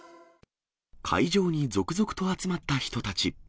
会場に続々と集まった人たち。